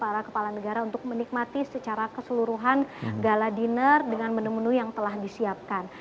para kepala negara untuk menikmati secara keseluruhan gala dinner dengan menu menu yang telah disiapkan